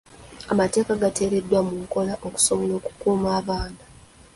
Amateeka gateereddwa mu nkola okusobola okukuuma abaana.